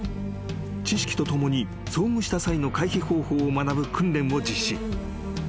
知識とともに遭遇した際の回避方法を学ぶ訓練を実施］